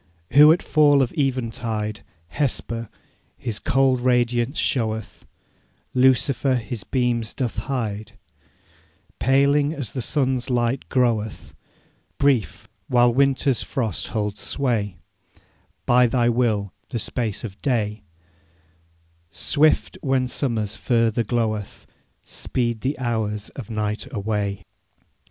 'Who at fall of eventide, Hesper, his cold radiance showeth, Lucifer his beams doth hide, Paling as the sun's light groweth, Brief, while winter's frost holds sway, By thy will the space of day; Swift, when summer's fervour gloweth, Speed the hours of night away.